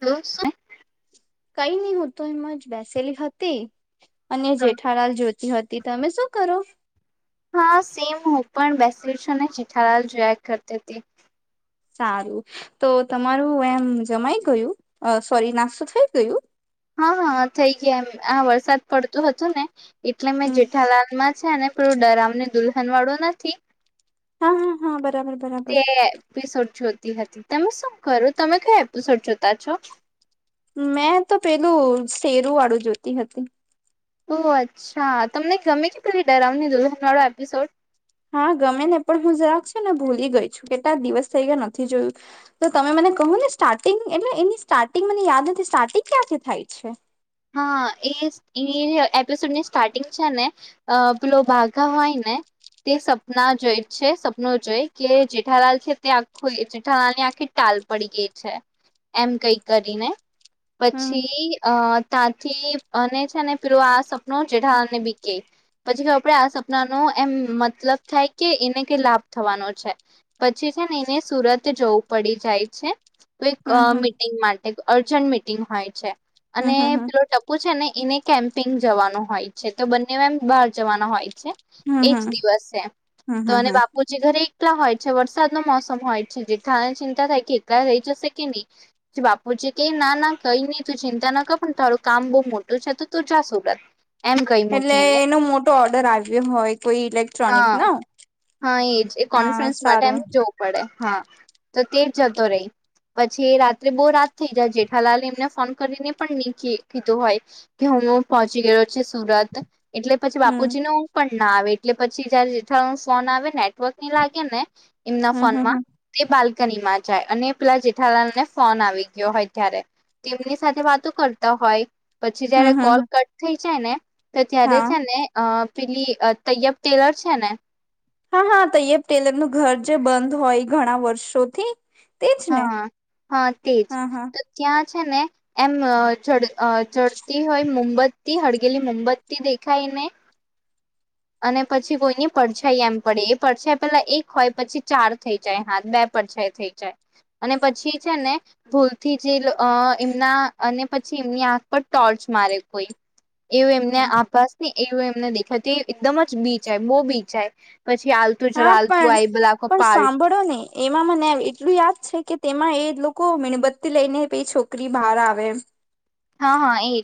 Hello શું કઈ નઈ હું તો એમ જ બેસેલી હતી અને જેઠાલાલ જોતી હતી. તમે શું કરો? હા સેમ હું પણ બેસી છું, ને ચીઠાલાલ જોયા કરતી હતી. સારું, તો તમારું એમ જમાઈ ગયું સોરી નાસ્તો થઈ ગયું? હા. હા થઇ ગયા એમ આ વરસાદ પડતો હતો ને એટલે મેં હમ જેઠાલાાલ માં છે, એને પું ડરામને દુલ્હન વાળું નથી હા હા હા બરાબર બરાબર તે પીસોડ છ હતી તમે શું કરો તમે કયો એપિસોડ જોતા છો? મેં તો પેલું શેરુ વાળું જોતી હતી ઓ અચ્છા તમને ગમે કે પેલી ડરાવ દુન વાળો એપિસોડ હા ગમે ને પણ હું જરાક છ ને ભૂલી ગઈ છું કેટલા દિવસ થઈ ગયા નથી જોયું તો તમે મને કહ ને સ્ટાર્ટિંગ એટલે એની સ્ટાર્ટિંગ મને યાદ નથી, સ્ટાર્ટિંગ ક્યાંથી થાય છે? હા એ એપિસોડની સ્ટાર્ટિંગ છે ને પેલો ભઘા હોય ને તે સપના જોય જ છે સપનું જઈ કે જેઠાલાલ છે તે આખું જેઠાલાલ ની આખી ટા પડી ગ છે એમ કઈ કરીને હમ પછી તાથી અને છે ને પેલું આ સપનું જેઢા અને બી પછી કે આપડે આ સપના ન એમ મતલબ થાય કે એને કઈ લાભ થવાનો છે પછી છે ને એને સુરત જવું પડી જાય છે કોઈક હમ હમ મિટિંગ માટે અર્જન્ટ મિટિંગ હોય છે. અને પેલો [inaudible] ટપુ છે, ને એને કેમ્પિંગ જવાનું હોય છે તો બંનેમ બહાર જવાના હોય હમ હમ એજ હમ દિવસ છે હમ તો હમ અને હમ બાપુજી ઘરે એટલા હોય છે વરસાદ ન મોસમ હોય છે જેટલાને ચિંતા થાય કે એકટલા રહી જશે કે નહી જે બાપુ ક ના ના કઈ નઈું ચિંતા ન કર પણ તરું કામ બઉ મોટું છે તો ત જાશોત એટલે એનો મોટો ઓર્ડર આવ્યો હોય કોઈ ઈલેક્ટ્રોનિક હા ન હા એ જ એ કોન્ફરન્સ માટે એમ જોવું પડે હા તો તે જ જતો રહી પછી રાત્રે બહુ રાત થઈ જાય જેઠાલાલ એમને ફોન કરીને પણ નીખી કીધું હોય કે હું પહોંચી ગયો છે, સુરત એટલે પછી હમ બાપુજી ન હું પણ ના આવે એટલે પછી, જયારે જેેઠળું ફોન આવે ને લાગે ને એમના હમ હમ ફોનમાં હમ બા કનીમાં જાય અને પેલા જેઠાલાને ફોન આવી ગયો હોય ત્યારે તેમની સાથે વાતો કરતા હો હોય પછી જયારે હમ હમ કોલ હમ કટ થઈ જાય ને તો ત્યારે હા છે ને પેલી તૈયબ ટેલર છે ને હા હા તયબ ટેલરનું ઘર જે બંધ હોય ઘણા વર્ષોથી તેજ ને હા હા તેજ હા હા તો ત્યાં છે ને એમ ચ ચડતી હોય મોમબત્તી હડગેલી મોમબત્તી દેખાયાઈને અને પછી કોઈની પડછાઈ એમ પડે એ પડછાઈ પેલા એક હોય પછી ચાર થઈ જાય હાથ બે પણ છે થઈ જાય અને પછી છે ને ભૂલથી જેલ એમના અને પછી એમની આંખ પર ટોર્ચ મારે કોઈ એવું એમને આભાસ એવું એમને દેખાતી એકદમ જ બીચ આ બહુ બીચ હા પણ પણ પાર સાંભળો ને એમાં મને એટલું યાદ છે કે તેમાં એ લોકો મીણબત્તી લઈને પ છોકરી બહાર આવે હા. હા એજ.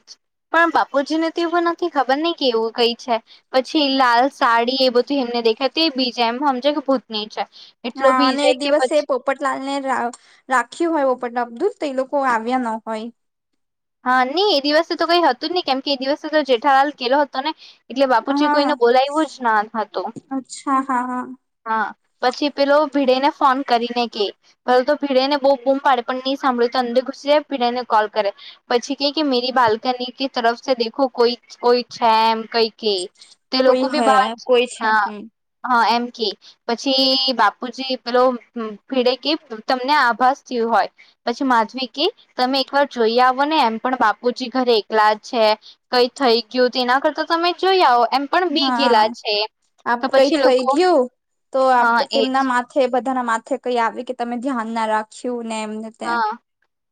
પણ બાપુજી ને તો એવું નથી ખબર નહ કે એવું કઈ છે પછી એ લાલ સાડી એ બધી એને દેખાય એ બીજા એમ સમજ કે ભૂતની છે એટલો હા અને બીજાય એ કે દિવસે પછી પોપટલાલ ને રાખ્યું હોય પણ અબધું જ, તો એ લોકો આવ્યા ન હોય હા, નહી. એ દિવસે તો કઈ હતુ, જ નહી કેમ કે એ દિવસે તો જેઠા હાલ ગલો હતો ને એટલે બાપુજી હા કોઈને બોલાવવું જ નાતુ, અચ્છા હા હા હા પછી પેલો ભીડે ને ફોન કરીને કે પેલો તો ભીડે ને બહુ બૂમ પાડે પણ નહી, સાંભળે તો અંદરુ જે, પીઢને કોલ કરે પછી, ક કે મેરી બાલ્કની કે તરફ દેખો કોઈ કોઈ છે, એમ કઈ કે તે કોઈ લોકો બી હે બહાર કોઈ છે હા, હમ હા એમ પછી, બાપુજી પેલો ભીડે કે તમને આભાસ થયું હોય. પછી માધવી, કે તમે એક વાર જોઈ, આવ ને એમ પણ બાપુજી, ઘરે એકલા છે, કઈ થઈ ગયું તે એના કરતા તમે જોઈ આવ હા, આપ કઈ પછી થઈ. લોકો ગયુ, તો આપ હા એજ તેમના માથે બધા ધ માથે કઈ, આવે કે તમે ધ્યાન ના રાખ્યું ને એમને ત્યા હા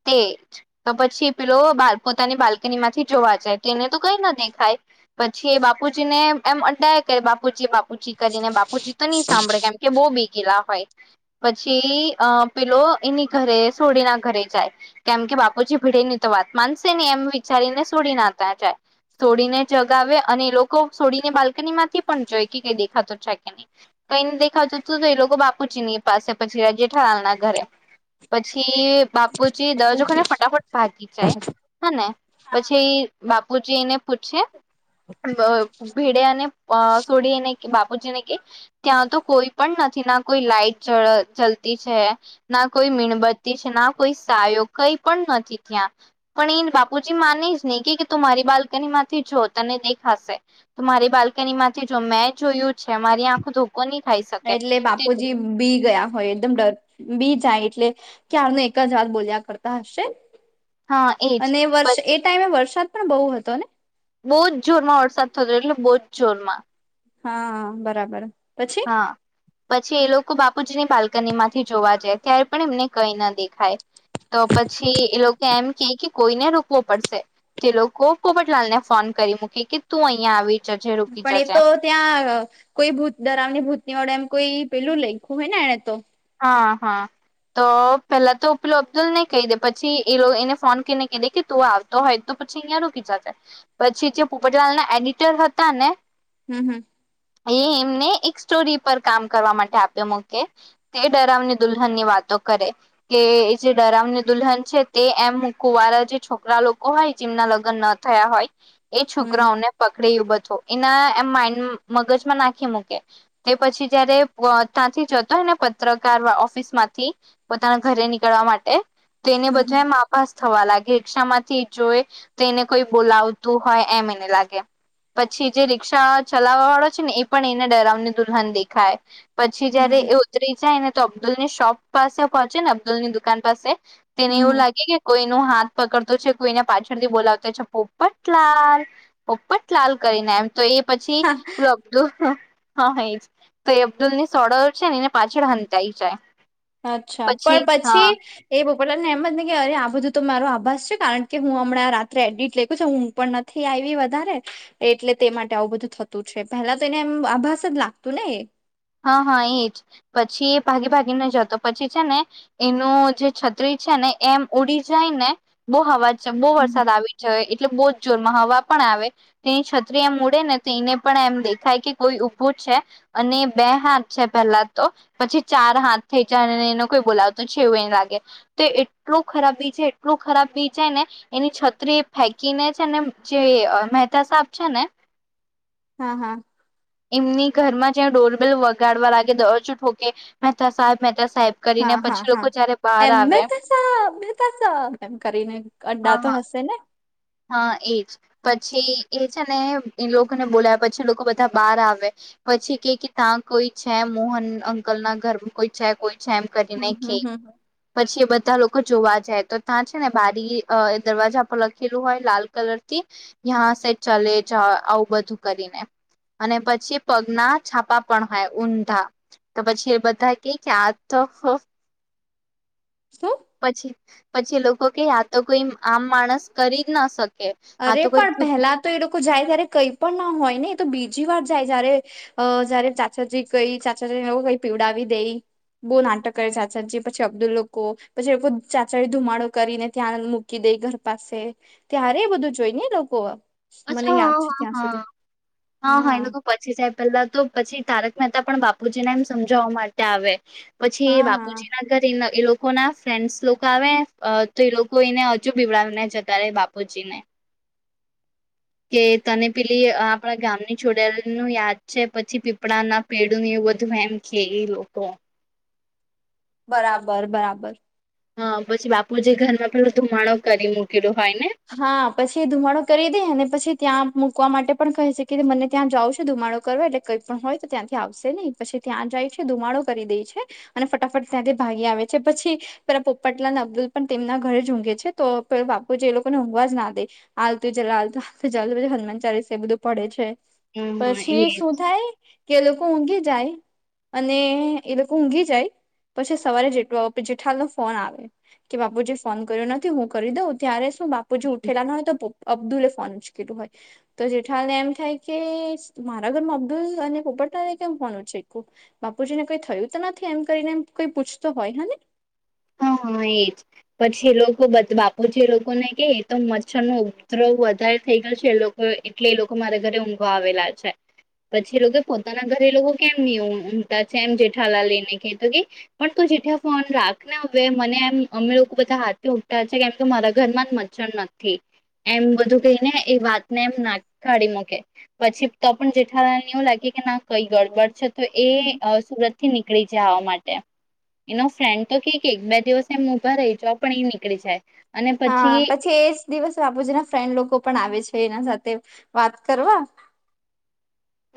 તેજ તો પછી, પેલો પોતાની બાલ્કની માંથી જોવા જાય તો તેને તો કઈ, નથી ખાય પછી, એ બાપુજી ને એમ અટાય કે બાપુજી, બાપુ છી, કરીને બાપુજી તો નહી, સાંભળે કેમ કે બહ બે ગલા હોય પછી, અ પેલો એની ઘરે સોડી ના ઘરે જાય, કેમ કે બાપુજી ભીડે ની તો વાત માનશે ને એમ વિચારીને સોડી, નાતા જાય. સોડીને જગાવે, અને એ લોકો સોડીને બાલ્કની માંથી પણ જોઈ કે કઈ દેખાત છેા, કે નહી. કઈને દેખાતું હતુ, તો એ લોકો બાપુજીની પાસે પછી, રાજેઠરાલના ઘરે પછી બાપુજી દરજ વખા ને ફટાફટ ભાગી જાય હા, ને પછી બાપુજીને પૂછે. ભેડે અને સોઢીને કે બાપુજીને કે, ત્યાં તો કોઈ પણ નથી. થી ના કોઈ લાઈટ ચાલતી છે. ના કોઈ મીણ બધી છે, ના કોઈ સાયો કઈ પણ નથી ત્યાં પણ એ બાપુજી માને જ નહી, કે મારી બાલ્કની માથી, જો તને દેખાશે મારી બાલ્કની માંથી જો મેં જોયું છે મારી તે આખ દ એટલે બાપુજી, બી ગયા હોય, એકદમ ડર બી જાય, એટલે ક્યારનુ એક જ વાત બોલ્યા કરતા હશે હા એજ અને વર્ષ એ ટાઈમે વરસાદ પણ બહુ હતો, ને બહુ જ જોરમા વરસાદ થતો, એટલે બહુ જ જોરમા હા, બરાબર પછી હા, પછી એ લોકો બાપ. કુજની બાલ્કની માથી, જોવા જાય ત્યારે પણ એમને કઈ, ન દેખાય તો પછી એ લોકો એમ કે કે કોઈને, રોકવો પડશે ચલો પોપટલાલ ને ફોન કરી મૂકી, કે તુ અહીિયાયા આવી જજે રૂકી પણ એ જજે તો ત્યા, કોઈ ભૂત. દરામની ભૂતની વડે એમ કોઈ, પેલુ લખ્યુ હોય, ને એને તો હા, હા તો પેલા તો ઓ પીલો અબ્દુલ ને કહી, દે પછી એ એને ફોન કરીને કહી, દે કે તું આવતો હોય તો પછી, અહિયાયાકીીધા પછી, જે પોપટલાલ ના એડિટર હતા ને હમ્મ, હમ્મ એ એમને એક સ્ટોરી પર કામ કરવા, માટે આપ્યો મૂકે તે ડરાવને દુલ્હન ની વાતો કરે કે જે ડરાવને દુલ્હન છે, તે એમ મુૂકુવા જે છોકરા લોકો હોય, જેમના લગ્ન ના થયા હોય એ હમ છોકરાઓને પ બો એના એમ માડ મગજમાં નાખી, મૂકે એ પછી જયારે ત જતો હોય, ને પ પકાર ઓફિસ માંથી પોતાના ઘરે નીકળવા માટે તો એને હમ હમ બધા, એમ માપ થવા લાગે રિક્ષા માંથી જોય તો એને કોઈ બોલાવતું હોય, એમ એને લાગે પછી જે રિક્ષા ચલાવવા વાળો છેને, એ પણ એને ડરાવને દુલ્હન દેખાય પછી જયારે હમ એ ઉતરી જાય, ને તો અબ્દુલની શોપ પાસે પહોંચે ને અબ્દુલ ની દુકાન પાસે તેને હમ એવું હમ લાગે કે કોઈ હાથ પકડતો છે કોઈ એને પાછળથી બોલાવતો છે, પોપટલાલ પોપટલાલ કરીને એમ તો એ પછી હા અબ્દુલ હા એ તો એ અબ્દુલ ની સળો છે ને એ પાછળ હંતઈ જાય. અચ્છા પણ પછી એ બોપલા એમ જ નહી અરે આ બધું તો મારો આભાસ છે, કારણ કે હું હમણાં રાત્રે એડિટ લેખું છ હું પણ નથી આવી વધારે એટલે તે માટે આવું બધું થતું છે, પેલા તો એને એમ આભાસ જ લાગતું ને એ? હા, હા, એજ પછી એ ભાગી ભાગીને જતો પછી છે ને એનું જે છે ને એમ ઉડી જાય ને બહ હવા બહુ વરસાદ આવી જાય એટલે બહુ જ જોરમાં હવા પણ આવે તેની છત્રી એમ ઉડે ને તો એને પણ એમ દેખાય કે કોઈ ઉભું છે, અને બે હાથ છે પેલા તો પછી ચાર હાથ થઈ જાય એનો કોઈ બોલાવતું છે એવું એ લાગે તો એટલું ખરાબી છે એટલું ખરાબ બી છે ને એની છત્રી એ ફેંકીને છે ને જે મહેતા સાબ છે ને હા હા એમની ઘરમાં જ્યાં ડોરબેલ વગાડવા લાગે દરવાજો ઠોકે મહેતા સાહેબ મહેતા સાહેબ કરીને પછી લોકો જયારે બહાર એમને આવે તો [unintelligible] સામે તસા એમ કરીને અડા હા તો હા હશે ને? હા એજ પછી એ છે ને એ લોકોને બોલાયા પછી લોકો બધા બહાર આવે પછી કે કે ત્યાં કોઈ છે મોહન અંકલ ના ઘર કોઈ છે કોઈ એમ કરીને હમ હમ ખે હમ પછી એ બધા લોકો જોવા જાય તો ત્યાં છે, ને બારી દરવાજા પર લખ પેલું હોય લાલ કલર થી યાં સે ચલે જ આવું બધું કરીને, અને પછી પગના છાપા પણ હોય ઊંધા તો પછી એ બધા ક ક્યા આ તો શું પછી પછી લોકો કે યા તો કોઈ આમ માણસ કરી જ ના શકે અરે આ તો કોઈ પણ ભૂતની પહેલા તો એ લોકો જાય ત્યારે કઈ પણ ના હોય ને તો બીજી વાર જાય જયારે જયારે ચાચાજી કઈ ચાચાજીને એ કઈ પીવડાવી દઈ. બહુ નાટક કરે ચચા પછી અબ્દુલ લોકો પછી લોકો ચાચડી ધુમાડો કરીને ત્યાં મૂકી દે, ઘર પાસે ત્યારે બધું જોઈ ને લોકો, અચ્છા મને હા યાદ છે હા ત્યાં સુધી હા હા હા એ લોકો પછી જાય પેલા તો પછી તારક મહેતા પણ બાપુજીને એમ સમજાવવા માટે આવે પછી હા બાપુજી ના ઘર એ લોકો લોકો ના ફ્રેન્ડસ લોકો આવે તો એ લોકો એને હજુ પીવડાવને જતા રહે, બાપુજી ને કે તને પેલી આપણા ગામની જોડાયેલ નું યાદ છે, પછી પીપળા ના પેડુ વધુ એમ કે એ લોકો બરાબર બરાબર હા, પછી બાપુજી ઘરમાં પેલોું ધુમાડો કરી મૂકલો. હા પછી ધુમાડો કરી દે અનેને પછી ત્યાં મૂકવા માટે પણ કહે છે કે મને ત્યાં જાવશે ધુમાડો કરવા એટલે કંઈ પણ હોય, તો ત્યાંથી આવશે નહી પછી ત્યાં ધુમાડો કરી દે છે અને ફટાફટ ત્યાં ભાગી આવે છે, પછી પેલા પોપટલા અબ્દુલ પણ તેમના ઘરે ઝુંઘે છે, તો બાપુ જે લોકો ને ઊઘવા જ ના દે આલતું જ આલતું હનુમાન ચાલીસ એ બધું પડે છે. હમ હા પછી એજ શું થાય કે લોકો ઊંઘી જાય, અને એ લોકો ઊંઘી જાય, પછી સવારે જેલો જેઠા ફોન આવે કે બાપુ જે ફોન કર્યો નથી, હું કરી દઉં ત્યારે તું બાપુ જોઉઠલા ન તો અબ્દુલે ફોનચકેલું હોય તો જેઠાને એમ થાય કે મારા ઘરમાં અબ્દુલ અને પ ત કેમવાનું છે બાપુજી ને કઈ થયું તો નથી, એમ કરીને એ કઈ પૂછતો હોય હ ને હા એત પછી એ લોકોધ બાપુજી, એ લોકોને કે એ તો મચ્છર નો ઉપદ્રવ વધારે થઈ ગયો છે, એ લોકો એટલે એ લોકો મારા ઘરે ઊંઘા આવેલા છે. પછી લોકો પોતાના ઘરે લોકો કેમ ઉઊમતા છે, એમ જેઠાલા લઈને કે તો કે પણ જેઠ ફોન રાખને હવે, મને એમ અમે લોકો બધા હાથેથી ઉઠતા છે. કેમ કે મારા ઘર માં જ મચ્છર નથી. એમ બધું કહીને, એ વાતને એમ ના કાઢી મકે પછી તો પણ જેઠા લાગે કે ના કઈ ગડબડ છે, તો હને એ સુરત થી નીકળી જાય આવા માટે એનો ફ્રેન્ડ તો કે બે દિવસ એમ ઉભા રહી છ, પણ એ નીકળી જાય અને હા પછી એજ દિવસ બાપુજીના લોકો પણ આવે છે, એના સાથે વાત કરવા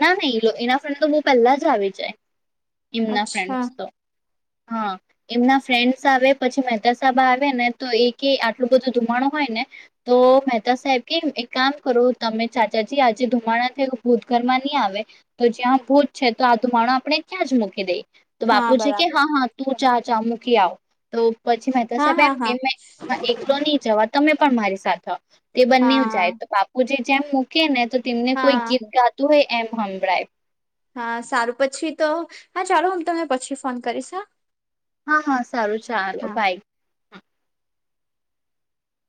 ના ના એના ફ્રે, તો બહ પેલા જ આવી જાય એમના ફ્રેન્ડ અચ્છા તો હા, એમના ફ્રેન્ડસ આવે પછી, મહેતા સાહેબ આવે ને તો એ કે આટલું બધું ધુમાણું હોય, ને તો મહેતા સાહેબ કે કામ કરો, તમે ચાચાજી આજે ધુમાડા થયા ઘરમાં નહી, આવે તો જ્યાં ભોજ છે, તો આ ધુમાણો આપણે ક્યાં જ મૂકી દઈએ તો હા બાપુ છે, કે બરાબર હા હા તું ચા ચા મૂકી આવ તો પછી, મે હા હા સાબમ હા એ એકલો નહી, જવા તમે પણ મારી સાથે તે બંને હા જાય, તો બાપુ જે જેમ મૂકે ને તો તેમને કોઈ હા ગીફ ગા હોય, એમ હભળાય હા, સારું પછી, તો હા ચાલો હું તને પછી ફોન કરી, શ હા હા, હા સારુ ચાલો હા. ભાઈ